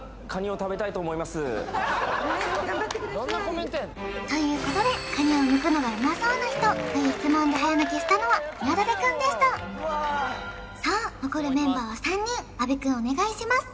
はい頑張ってくださいということでカニをむくのがうまそうな人という質問で早抜けしたのは宮舘くんでしたさあ残るメンバーは３人阿部くんお願いします